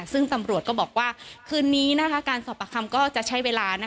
ซึ่งตำรวจก็บอกว่าคืนนี้การสอบประคำก็จะใช้เวลา